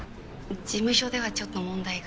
事務所ではちょっと問題が。